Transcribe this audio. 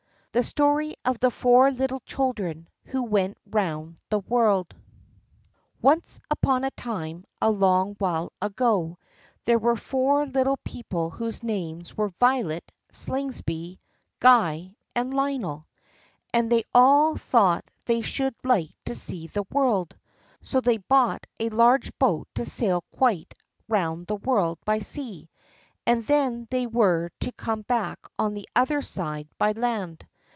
The Story of the Four Little Children Who Went Round the World [From "Nonsense Stories."] Once upon a time, a long while ago, there were four little people whose names were Violet, Slingsby, Guy, and Lionel; and they all thought they should like to see the world. So they bought a large boat to sail quite round the world by sea, and then they were to come back on the other side by land.